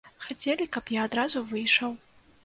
Хацелі, каб я адразу выйшаў.